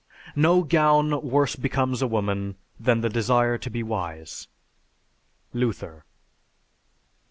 No gown worse becomes a woman than the desire to be wise. LUTHER.